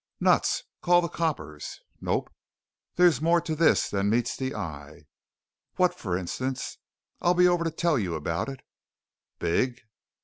"Nuts. Call the coppers." "Nope. There's more to this than meets the eye." "What, for instance?" "I'll be over to tell you about it." "Big?"